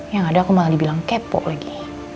yang ada aku malah dibilang kepo lagi